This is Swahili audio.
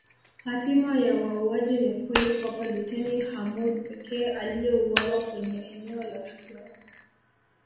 Hatima ya wauaji ni ukweli kwamba luteni Hamoud pekee aliyeuawa kwenye eneo la tukio